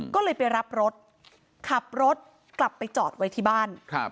ก็เลยไปรับรถขับรถกลับไปจอดไว้ที่บ้าน